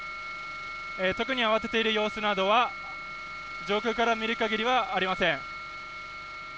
特に慌てている様子などは上空から見るかぎりはありません。